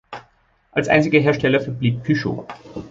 Als einziger Hersteller verblieb Peugeot.